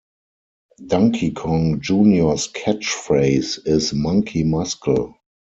Donkey Kong Junior's catchphrase is Monkey muscle!